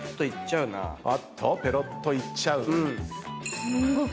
あっと⁉ペロッといっちゃう。